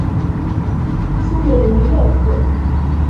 Tumrem yakk